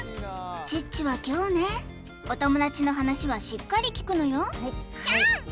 チッチは凶ねお友達の話はしっかり聞くのよちゃん！